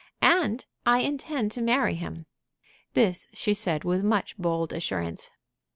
"And I intend to marry him." This she said with much bold assurance.